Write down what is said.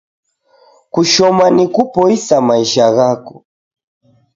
Kushoma ni kupoisa maisha ghako